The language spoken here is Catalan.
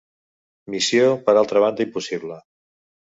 Missió per altra banda impossible.